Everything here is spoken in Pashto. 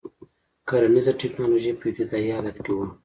کرنیزه ټکنالوژي په ابتدايي حالت کې وه.